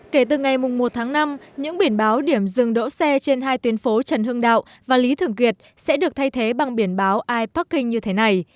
kể từ ngày một tháng năm những biển báo điểm dừng đỗ xe trên hai tuyến phố trần hưng đạo và lý thường kiệt sẽ được thay thế bằng biển báo iparking như thế này